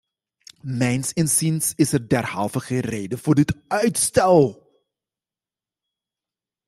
Mijns inziens is er derhalve geen reden voor dit uitstel.